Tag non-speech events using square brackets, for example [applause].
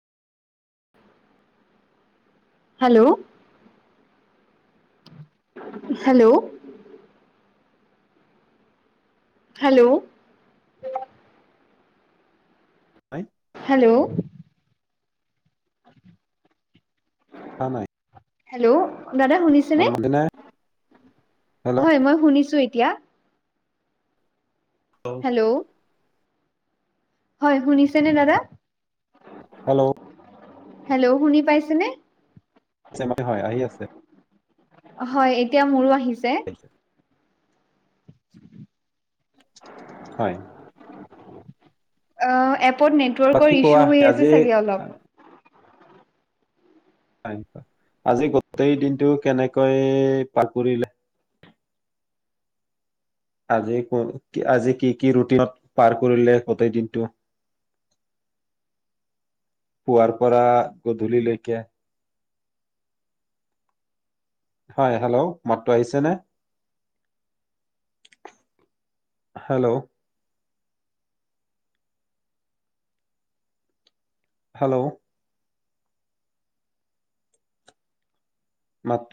Hello? Hello? Hello? হয়। Hello? [unintelligible] Hello, দাদা মোৰ শুনিছেনে? মাতনে হেল্ল' হয় মই শুনিছো এতিয়া। হেল্ল'? হয় শুনিছেনে দাদা? হেল্ল'? হেল্ল' শুনি পাইছেনে? [unintelligible] হয় আহি আছে। হয় এতিয়া মোৰো আহিছে। [unintelligible] হয়। অ এপত বাকী নেটৱৰ্কৰ কোৱা ইছ্যু হৈ আছে আজি চাগে অলপ। [unintelligible] আজি গোটেই দিনটো কেনেকৈ পাৰ কৰিলা? আজি ক কি আজি কি কি ৰুটিনত পাৰ কৰিলে গোটেই দিনটো? [inaudible] পুৱাৰ পৰা গধূলি লৈকে হয় হেল্ল' মাতটো আহিছে নে? হেল্ল'? হেল্ল'? মাত